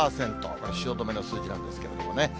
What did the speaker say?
これ、汐留の数字なんですけどね。